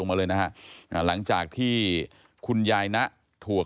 เมื่อคืนนะ